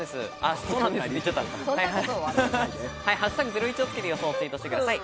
「＃ゼロイチ」を付けて予想をツイートしてください。